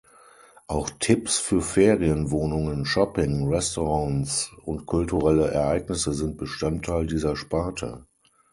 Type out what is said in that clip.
Auch Tipps für Ferienwohnungen, Shopping, Restaurants und kulturelle Ereignisse sind Bestandteil dieser Sparte.